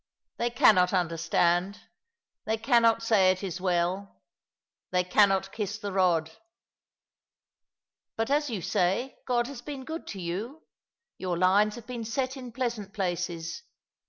They cannot understand ; they cannot say it is well. They cannot kiss the rod. But as you say, God has been good to you. Your lines have been set in pleasant places.